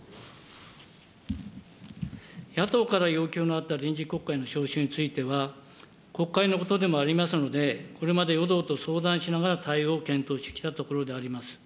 野党から要求のあった臨時国会の召集については、国会のことでもありますので、これまで与党と相談しながら対応を検討してきたところであります。